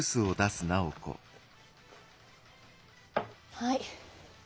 ・はい。